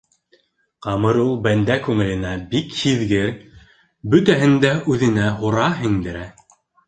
Ҡамыр ул бәндә күңеленә бик һиҙгер, бөтәһен дә үҙенә һура, һеңдерә.